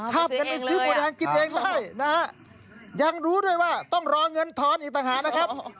จะไปซื้อบัวแดงกินเองได้นะฮะยังรู้ด้วยว่าต้องรอเงินทอนอีกต่างหากนะครับ